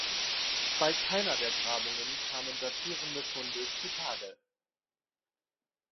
Bei keiner der Grabungen kamen datierende Funde zutage.